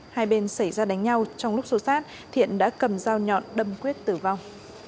hai bên xảy ra đánh nhau trong lúc xô sát thiện đã cầm dao nhọn đâm quyết tử vong